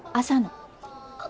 朝の。